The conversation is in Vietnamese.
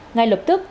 ngay lập tức